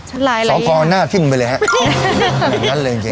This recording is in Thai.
ลายละอีกเหรอสาวกรหน้าทิ้งไปเลยฮะอย่างนั้นเลยจริง